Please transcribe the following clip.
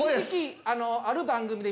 ある番組で。